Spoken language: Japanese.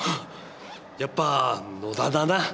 やっぱ「野田」だな。